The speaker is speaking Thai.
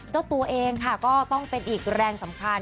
เจ้าตัวเองค่ะก็ต้องเป็นอีกแรงสำคัญ